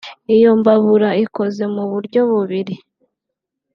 Iyo mbabura ikoze mu buryo bubiri